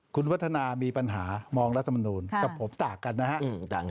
คุณวัฒนามีปัญหามองรัฐมนูลกับผมต่างกันนะฮะ